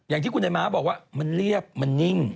อย่างที่คุณไอ้ม้าบอกว่ามันเรียบมันนิ่ง